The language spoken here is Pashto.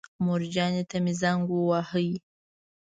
مورجانې ته مې زنګ وواهه.